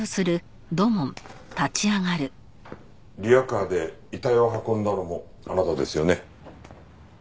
リヤカーで遺体を運んだのもあなたですよね？